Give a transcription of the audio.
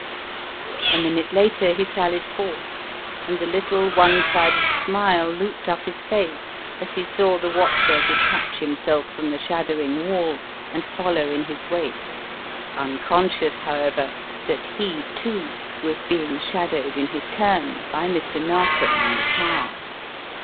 A minute later he sallied forth, and the little one sided smile looped up his face as he saw the watcher detach himself from the shadowing wall and follow in his wake, unconscious, however, that he, too, was being shadowed in his turn by Mr. Narkom in the ' 4 ' rMi *22aB> 100 The Riddle of the Purple Emperor car.